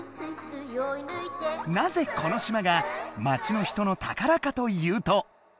なぜこの島が町の人の宝かというと。